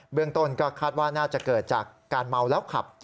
เรื่องต้นก็คาดว่าน่าจะเกิดจากการเมาแล้วขับ